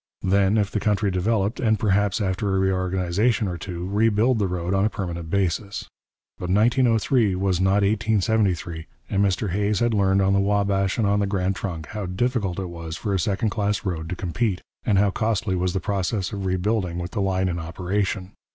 Then, if the country developed, and perhaps after a reorganization or two, rebuild the road on a permanent basis. But 1903 was not 1873, and Mr Hays had learned on the Wabash and on the Grand Trunk how difficult it was for a second class road to compete, and how costly was the process of rebuilding with the line in operation.